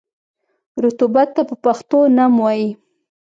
رطوبت ته په پښتو نم وايي.